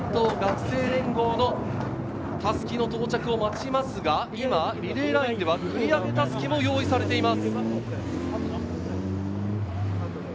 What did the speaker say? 残りは関東学生連合の襷の到着を待ちますが、今、リレーラインでは繰り上げ襷も用意されています。